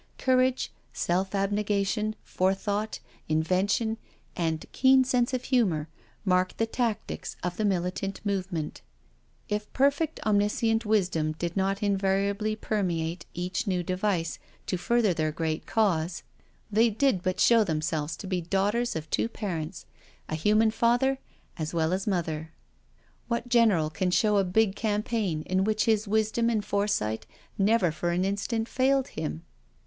Courage, self abnegation, forethought, invention, and keen sense of humour, marked the tactics of the militant movement. If perfect omniscient wisdom did not invariably per* meate each new device to further their great Cause^ ISO NO SURRENDER they did but show themselves to be daughters of two parents,*a human father as well as mother. What general can show a big campaign in which his wisdom and foresight never for an instant failed him?